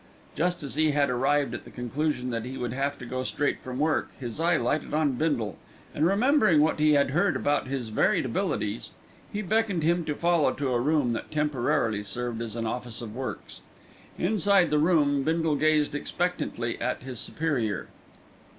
Just as he had arrived at the conclusion that he would have to go straight from work, his eye lighted on Bindle, and remembering what he had heard about his varied abilities, he beckoned him to follow to a room that temporarily served as an Office of Works. Inside the room Bindle gazed expectantly at his superior.